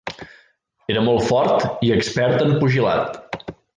Era molt fort i expert en pugilat.